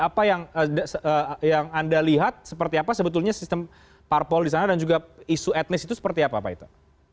apa yang anda lihat seperti apa sebetulnya sistem parpol di sana dan juga isu etnis itu seperti apa pak ito